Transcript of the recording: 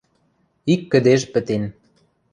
Ик кӹдеж пӹтен.